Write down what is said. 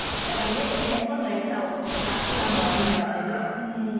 なんか猫の餌を買ったのはいいんだけど？